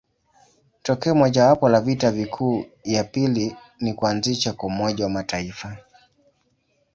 Tokeo mojawapo la vita kuu ya pili ni kuanzishwa kwa Umoja wa Mataifa.